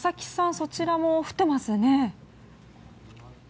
そちらも降っていますね。